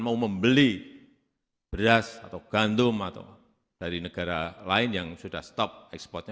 mau membeli beras atau gandum atau dari negara lain yang sudah stop ekspornya